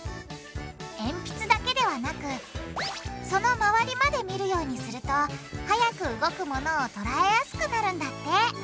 えんぴつだけではなくその周りまで見るようにすると速く動くものを捉えやすくなるんだって。